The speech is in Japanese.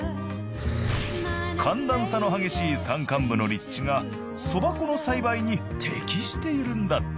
寒暖差の激しい山間部の立地がそば粉の栽培に適しているんだって。